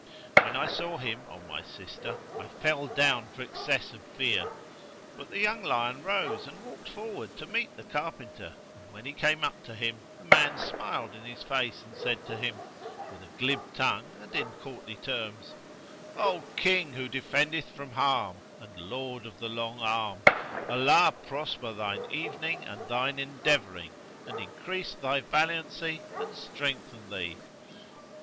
When I saw him, O my sister, I fell down for excess of fear; but the young lion rose and walked forward to meet the carpenter and when he came up to him, the man smiled in his face and said to him, with a glib tongue and in courtly terms, 'O King who defendeth from harm and lord of the long arm, Allah prosper thine evening and thine endeavouring and increase thy valiancy and strengthen thee!